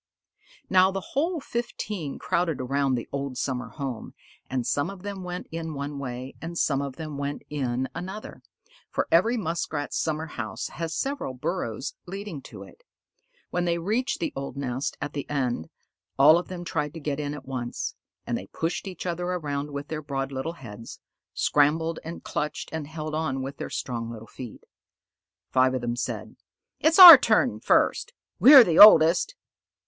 Now the whole fifteen crowded around the old summer home, and some of them went in one way, and some of them went in another, for every Muskrat's summer house has several burrows leading to it. When they reached the old nest at the end, all of them tried to get in at once, and they pushed each other around with their broad little heads, scrambled and clutched and held on with their strong little feet. Five of them said, "It's our turn first. We're the oldest."